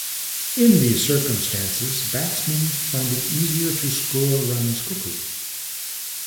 In these circumstances, batsmen find it easier to score runs quickly.